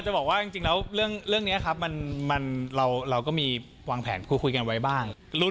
จะบอกว่าจริงแล้วเรื่องนี้ครับเราก็มีวางแผนคุยกันไว้บ้าง